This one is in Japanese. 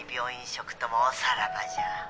食ともおさらばじゃ